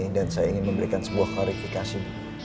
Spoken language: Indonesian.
dan saya ingin memberikan sebuah klarifikasi